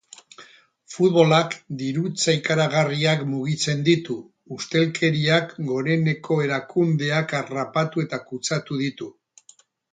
Futbolak dirutza ikaragarriak mugitzen ditu, ustelkeriak goreneko erakundeak harrapatu eta kutsatu ditu.